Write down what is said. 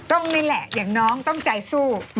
นี่แหละอย่างน้องต้องใจสู้